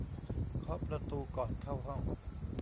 เคาะประตูก่อนเข้าห้อง